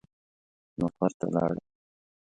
ته مقر ته ولاړې.